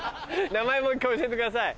名前もう一回教えてください。